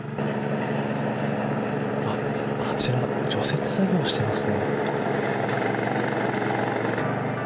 あちら除雪作業をしていますね。